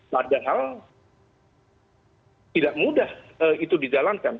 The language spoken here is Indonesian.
padahal tidak mudah itu dijalankan